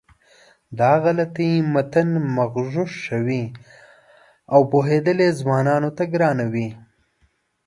دا غلطۍ متن مغشوشوي او پوهېدل یې ځوانانو ته ګرانوي.